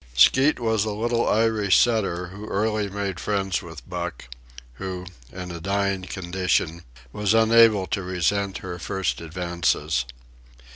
Skeet was a little Irish setter who early made friends with Buck, who, in a dying condition, was unable to resent her first advances.